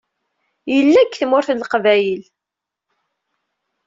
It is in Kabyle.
Yella deg Tmurt n Leqbayel.